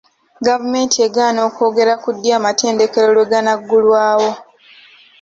Gavumenti egaana okwogera ku ddi amatendekero lwe ganaggulawo.